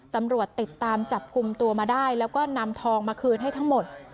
ตำรวจติดตามจับกลุ่มตัวมาได้แล้วก็นำทองมาคืนให้ทั้งหมด